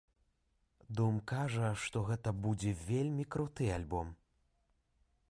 Дум кажа, што гэта будзе вельмі круты альбом!